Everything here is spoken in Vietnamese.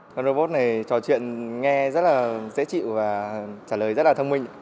con robot này trò chuyện nghe rất là dễ chịu và trả lời rất là thông minh